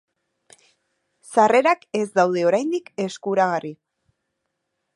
Sarrerak ez daude oraindik eskuragarri.